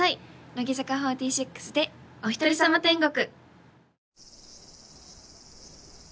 乃木坂４６で「おひとりさま天国」